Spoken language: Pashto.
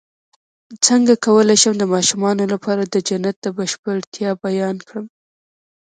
څنګه کولی شم د ماشومانو لپاره د جنت د بشپړتیا بیان کړم